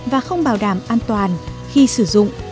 và không bảo đảm an toàn khi sử dụng